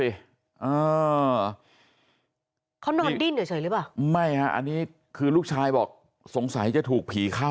อ่าเขานอนดิ้นเฉยหรือเปล่าไม่ฮะอันนี้คือลูกชายบอกสงสัยจะถูกผีเข้า